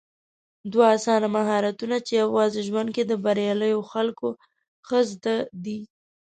دوه اسانه مهارتونه چې يوازې ژوند کې د برياليو خلکو ښه زده دي